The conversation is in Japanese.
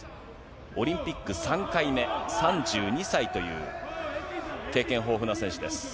オリンピック３回目、３２歳という経験豊富な選手です。